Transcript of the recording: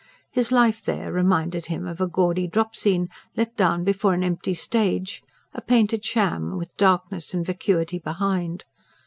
His life there reminded him of a gaudy drop scene, let down before an empty stage; a painted sham, with darkness and vacuity behind.